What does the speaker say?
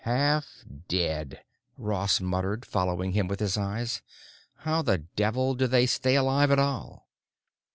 "Half dead," Ross muttered, following him with his eyes. "How the devil do they stay alive at all?"